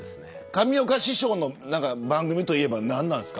上岡師匠の番組といえば何なんですか。